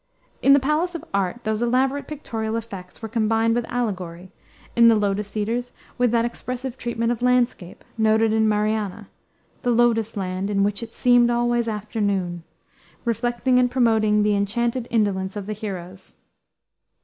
In the Palace of Art, these elaborate pictorial effects were combined with allegory; in the Lotus Eaters, with that expressive treatment of landscape, noted in Mariana; the lotus land, "in which it seemed always afternoon," reflecting and promoting the enchanted indolence of the heroes.